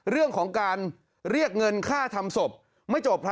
เรื่องของการเรียกเงินค่าทำศพไม่จบ